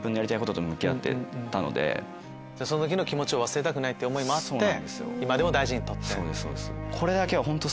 その時の気持ちを忘れたくないっていう思いもあって今でも大事に取って。